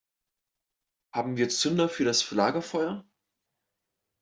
Haben wir Zunder für das Lagerfeuer?